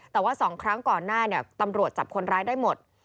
แต่ว่า๒ครั้งก่อนหน้าตำรวจจับคนร้ายได้หมด